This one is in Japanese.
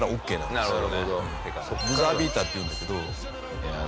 ブザービーターっていうんだけど。